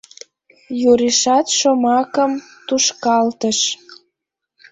— Юришат шомакым тушкалтыш.